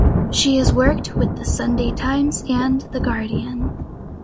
She has worked with the "Sunday Times" and "The Guardian".